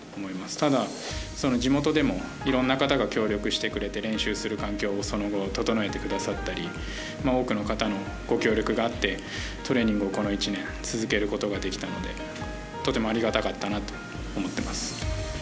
ただ、地元でもいろんな方が協力してくれて練習する環境をその分整えてくださったり多くの方のご協力があってトレーニングをこの１年続けることができたのでとてもありがたかったなと思ってます。